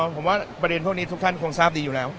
ผมว่าประเด็นพวกนี้ทุกท่านคงทราบดีอยู่แล้ว